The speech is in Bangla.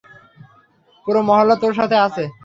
পুরো মহল্লা তোর সাথে আছে।